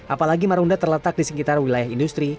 apalagi marunda terletak di sekitar wilayah industri